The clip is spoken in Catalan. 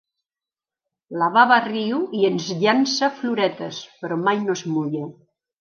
La baba riu i ens llança floretes, però mai no es mulla.